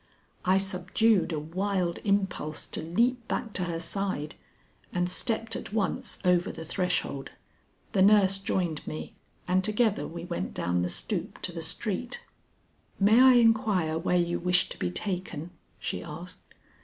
I subdued a wild impulse to leap back to her side, and stepped at once over the threshold. The nurse joined me, and together we went down the stoop to the street. "May I inquire where you wish to be taken?" she asked.